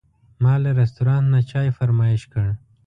ما له رستورانت نه چای فرمایش کړ.